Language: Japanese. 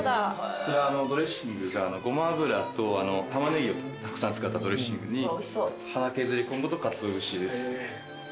こちらドレッシングがごま油とタマネギをたくさん使ったドレッシングに花削り昆布とかつお節ですね。